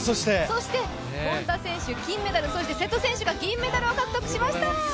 本多選手金メダル、そして瀬戸選手が銀メダルを獲得しました。